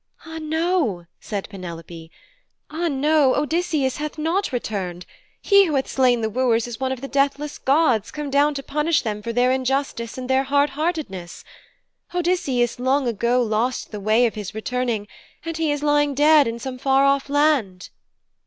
'Ah no!' said Penelope, 'ah no, Odysseus hath not returned. He who hath slain the wooers is one of the deathless gods, come down to punish them for their injustice and their hardheartedness. Odysseus long ago lost the way of his returning, and he is lying dead in some far off land.'